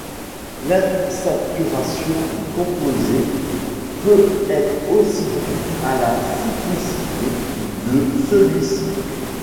L'insaturation du composé peut être aussi due à la cyclicité de celui-ci.